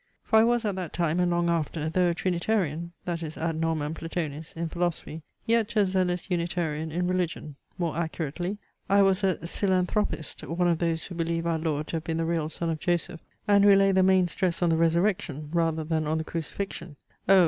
For I was at that time and long after, though a Trinitarian (that is ad normam Platonis) in philosophy, yet a zealous Unitarian in religion; more accurately, I was a Psilanthropist, one of those who believe our Lord to have been the real son of Joseph, and who lay the main stress on the resurrection rather than on the crucifixion. O!